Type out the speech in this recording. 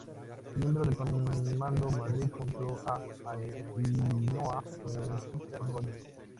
Miembros del Comando Madrid junto a Ainhoa Múgica Goñi.